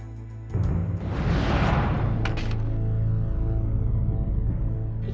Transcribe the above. geranda kerja aku